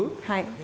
はい。